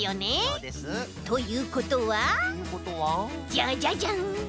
そうです。ということはジャジャジャン。